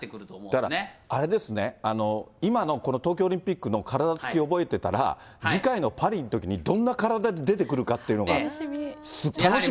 だからあれですね、今のこの東京オリンピックの体つき覚えてたら、次回のパリのときに、どんな体で出てくるかっていうのが楽しみ。